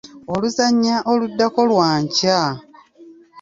Oluzannya oluddako lwa nkya.